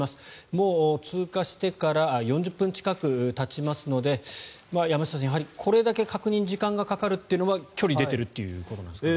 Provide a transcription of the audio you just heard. もう通過してから４０分近くたちますので山下さん、やはりこれだけ確認に時間がかかるということは距離が出ているっていうことなんですかね。